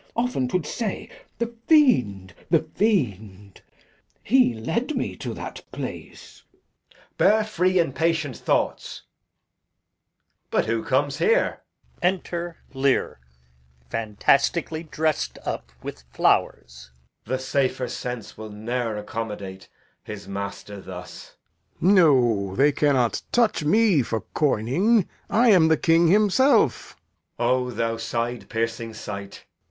Often 'twould say 'The fiend, the fiend' he led me to that place. Edg. Bear free and patient thoughts. Enter Lear, mad, [fantastically dressed with weeds]. But who comes here? The safer sense will ne'er accommodate His master thus. Lear. No, they cannot touch me for coming; I am the King himself. Edg. O thou side piercing sight!